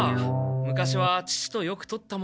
昔は父とよくとったもんだけど。